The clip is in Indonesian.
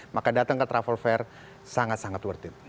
maka datang ke travel fair sangat sangat worth it